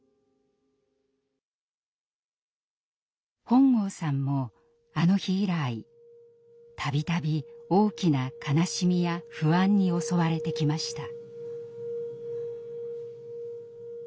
本郷さんもあの日以来度々大きな悲しみや不安に襲われてきました。